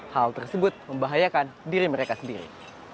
hal tersebut membahayakan diri mereka sendiri